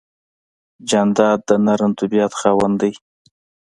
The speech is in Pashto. جانداد د نرم طبیعت خاوند دی.